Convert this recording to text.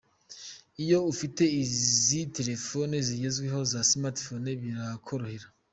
Iyo ufite izi telefone zigezweho za smartphone birakorohera.